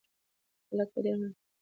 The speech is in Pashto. هلک په ډېر مهارت سره منډې وهي.